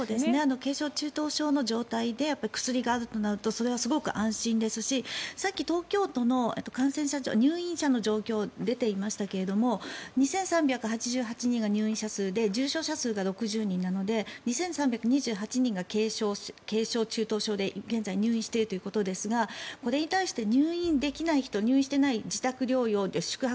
軽症・中等症の状態で薬があるとなるとそれはすごく安心ですしさっき東京都の入院患者数の状況が出ていましたけど２３８８人が入院者数で重症者数が６０人なので２３２８人が軽症・中等症で現在入院しているということですが、これに対して入院できない人入院していない自宅療養宿泊